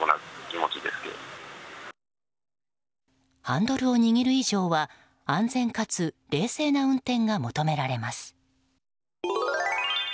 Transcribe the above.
ハンドルを握る以上は安全かつ冷静な運転が求められます。